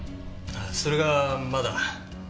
それがまだ。